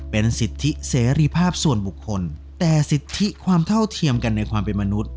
เป็นสิทธิเสรีภาพส่วนบุคคลแต่สิทธิความเท่าเทียมกันในความเป็นมนุษย